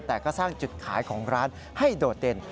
แต่ก็สร้างจุดขายของร้านให้โดดเด่น